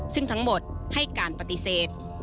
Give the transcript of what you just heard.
ซึ่งทั้งหมดให้การปฏิเสธ